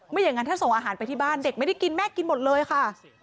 อย่างนั้นถ้าส่งอาหารไปที่บ้านเด็กไม่ได้กินแม่กินหมดเลยค่ะ